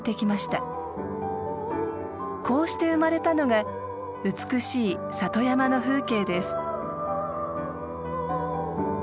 こうして生まれたのが美しい里山の風景です。